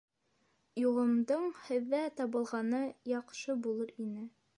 — Юғымдың һеҙҙә табылғаны яҡшы булыр ине.